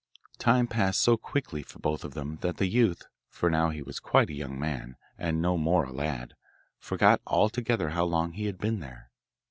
Time passed so quickly for both of them that the youth (for now he was quite a young man, and no more a lad) forgot altogether how long he had been there.